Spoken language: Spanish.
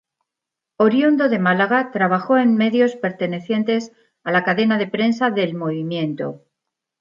Oriundo de Málaga, trabajó en medios pertenecientes a la cadena de Prensa del "Movimiento".